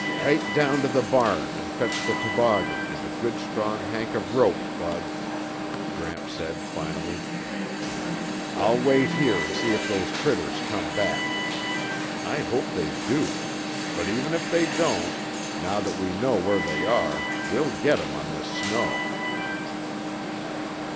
"Kite down to the barn and fetch the toboggan and a good strong hank of rope, Bud," Gramps said finally. "I'll wait here and see if those critters come back. I hope they do. But even if they don't, now that we know where they are, we'll get 'em on this snow."